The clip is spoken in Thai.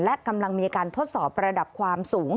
และกำลังมีการทดสอบระดับความสูง